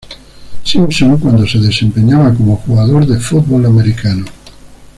Simpson cuando se desempeñaba como jugador de fútbol americano.